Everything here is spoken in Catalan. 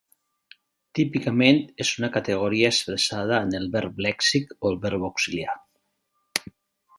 Típicament és una categoria expressada en el verb lèxic o el verb auxiliar.